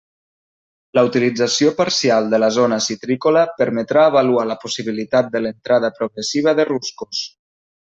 La utilització parcial de la zona citrícola permetrà avaluar la possibilitat de l'entrada progressiva de ruscos.